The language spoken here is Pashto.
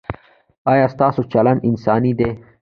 ایا ستاسو چلند انساني دی؟